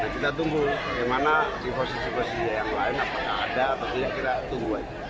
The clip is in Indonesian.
kita tunggu bagaimana sifosi sifosi yang lain apakah ada atau tidak kita tunggu aja